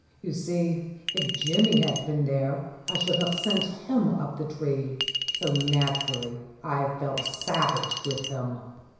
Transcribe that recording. You see, if Jimmy had been there I should have sent him up the tree; so naturally I felt savage with him.